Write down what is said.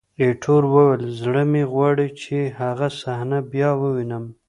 ایټور وویل: زړه مې غواړي چې هغه صحنه بیا ووینم.